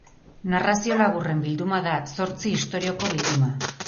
Narrazio laburren bilduma da, zortzi istorioko bilduma.